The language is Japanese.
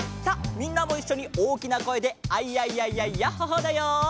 みんなもいっしょにおおきなこえで「アイヤイヤイヤイヤッホー・ホー」だよ。